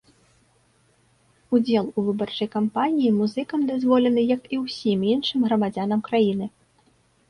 Удзел у выбарчай кампаніі музыкам дазволены як і ўсім іншым грамадзянам краіны.